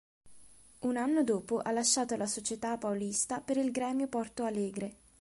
Un anno dopo ha lasciato la società paulista per il Gremio Porto Alegre.